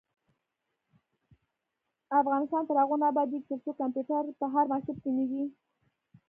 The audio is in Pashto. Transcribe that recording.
افغانستان تر هغو نه ابادیږي، ترڅو کمپیوټر په هر مکتب کې نه وي.